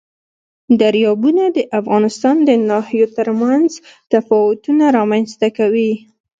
دریابونه د افغانستان د ناحیو ترمنځ تفاوتونه رامنځ ته کوي.